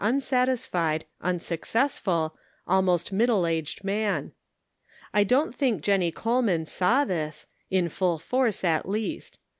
unsatisfied, unsuccessful, almost middle aged man. I don't think Jennie Coleman saw this, in full force, at least.